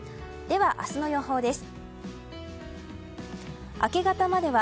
では明日の予報です。